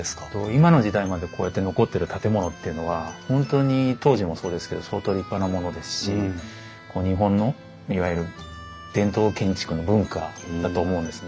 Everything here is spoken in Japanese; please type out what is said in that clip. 今の時代までこうやって残ってる建物っていうのは本当に当時もそうですけど相当立派なものですし日本のいわゆる伝統建築の文化だと思うんですね。